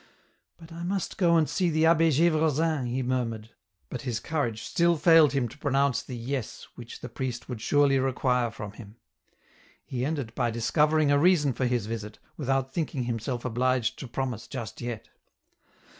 " But I must go and see the Abbe Gdvresin,"he murmured, but his courage still failed him to pronounce the " Yes " which the priest would surely require from him. He ended by discovering a reason for his visit, without thinking himself obliged to promise just yet.